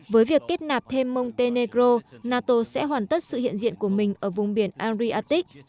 với việc kết nạp thêm montenegro nato sẽ hoàn tất sự hiện diện của mình ở vùng biển ariatik